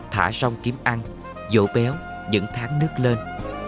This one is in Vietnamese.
thả rong kiếm ăn vỗ béo dẫn tháng nước lên